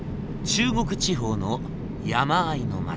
中国地方の山あいの町。